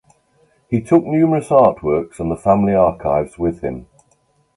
He took numerous art works and the family archives with him.